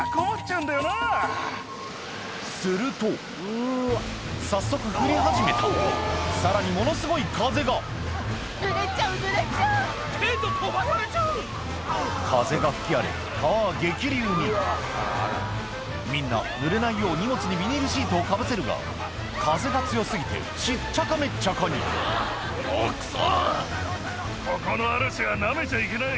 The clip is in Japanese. すると早速降り始めたさらにものすごい風が風が吹き荒れ川は激流にみんなぬれないよう荷物にビニールシートをかぶせるが風が強過ぎてしっちゃかめっちゃかにおぉクソ！